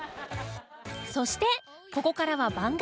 そしてここからは番外編